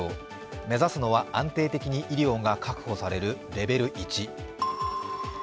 目指すのは安定的に医療が確保されるレベル１。